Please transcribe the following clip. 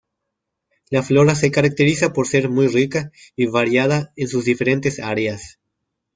La Flora se caracteriza por ser muy rica y variada en sus diferentes áreas.